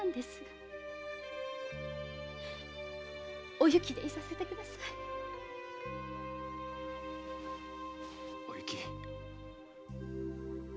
おゆきでいさせてください！おゆき。